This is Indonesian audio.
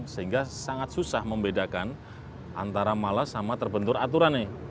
sehingga sangat susah membedakan antara malas sama terbentur aturan nih